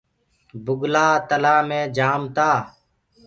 بُگلآ تلآ مي جآم تآ۔